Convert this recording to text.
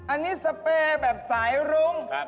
อันนี้สเปรย์แบบสายรุ้ง